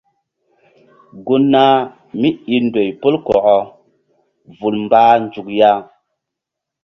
Gun nah míi ndoy pol kɔkɔ vul mbah nzuk ya.